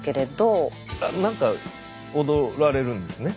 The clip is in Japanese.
あっ何か踊られるんですね？